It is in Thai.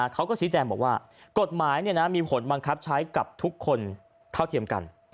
เขาก็ชี้แจงบอกว่ากฎหมายมีผลบังคับใช้กับทุกคนเท่าเทียมกัน